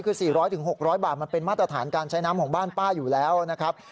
คือ๔๐๐๖๐๐บาทมันเป็นมาตรฐานการใช้น้ำของบ้านป้าอยู่แล้วนะครับ